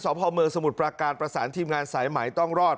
สอบเพราะเมอร์สมุดประการประสานทีมงานสายใหม่ต้องรอด